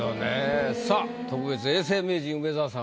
さあ特別永世名人梅沢さん